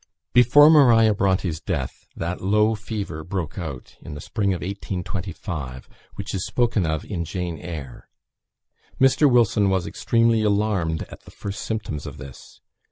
Before Maria Bronte's death, that low fever broke out, in the spring of 1825, which is spoken of in "Jane Eyre." Mr. Wilson was extremely alarmed at the first symptoms of this.